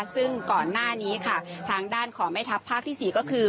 ซึ่งก่อนหน้านี้ค่ะทางด้านของแม่ทัพภาคที่๔ก็คือ